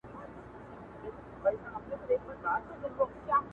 او ښادۍ لپاره ورکړل سوي دي